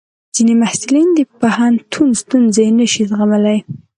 ځینې محصلین د پوهنتون ستونزې نشي زغملی.